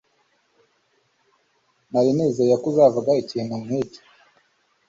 Nari nizeye ko uzavuga ikintu nkicyo.